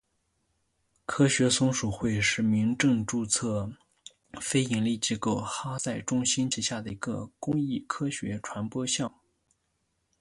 科学松鼠会是民政注册非营利机构哈赛中心旗下的一个公益科学传播项目。